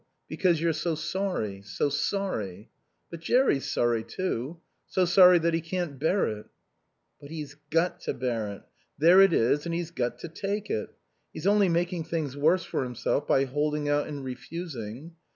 Because you're so sorry. So sorry. But Jerry's sorry too. So sorry that he can't bear it." "But he's got to bear it. There it is and he's got to take it. He's only making things worse for himself by holding out and refusing.